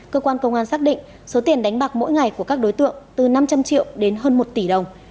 cơ quan công an xác định số tiền đánh bạc mỗi ngày của các đối tượng từ năm trăm linh triệu đến hơn một tỷ đồng